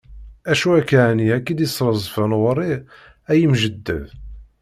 Acu akka ɛni ay k-id-isrezfen ɣur-i ay imjeddeb?